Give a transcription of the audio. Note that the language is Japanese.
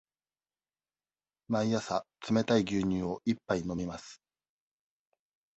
毎朝冷たい牛乳を一杯飲みます。